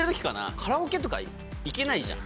カラオケとか行けないじゃん。